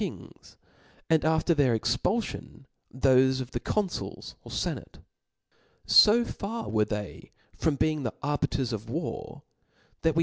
kings, and after their ex pulfion, thofe of the confuls or fenate. So far were they from being the . arbiters of war, that wc 2 My?